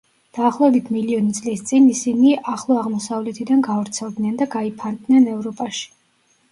დაახლოებით მილიონი წლის წინ ისინი ახლო აღმოსავლეთიდან გავრცელდნენ და გაიფანტნენ ევროპაში.